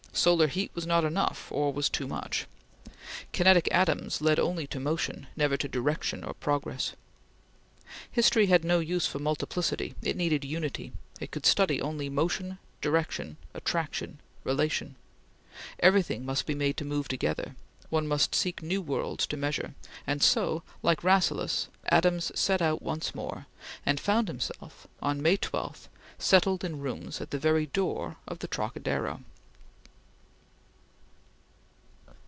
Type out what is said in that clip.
Solar heat was not enough, or was too much. Kinetic atoms led only to motion; never to direction or progress. History had no use for multiplicity; it needed unity; it could study only motion, direction, attraction, relation. Everything must be made to move together; one must seek new worlds to measure; and so, like Rasselas, Adams set out once more, and found himself on May 12 settled in rooms at the very door of the Trocadero.